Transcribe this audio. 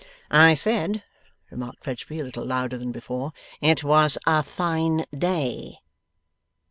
'I said,' remarked Fledgeby, a little louder than before, 'it was a fine day.